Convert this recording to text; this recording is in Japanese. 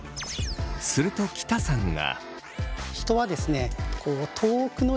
すると喜田さんが。